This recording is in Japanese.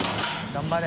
頑張れ。